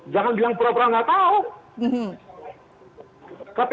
jangan bilang pura pura nggak tahu